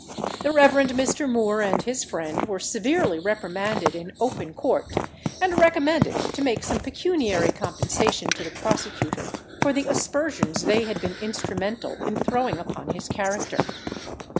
The Rev. Mr. Moor and his friend were severely reprimanded in open court, and recommended to make some pecuniary compensation to the prosecutor for the aspersions they had been instrumental in throwing upon his character.